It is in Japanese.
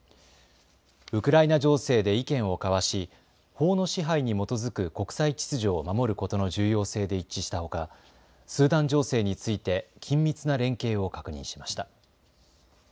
ウクライナ情勢で意見を交わし法の支配に基づく国際秩序を守ることの重要性で一致したほかスーダン情勢について緊密な連携を確認しました。